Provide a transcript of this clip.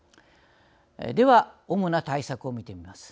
では主な対策を見ていきます。